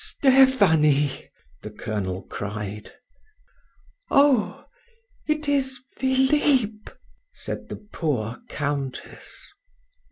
"Stephanie!" the colonel cried. "Oh! it is Philip!" said the poor Countess.